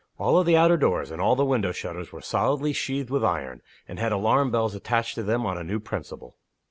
All the outer doors and all the window shutters were solidly sheathed with iron, and had alarm bells attached to them on a new principle.